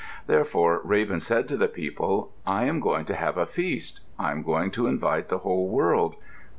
Therefore Raven said to the people, "I am going to have a feast. I am going to invite the whole world."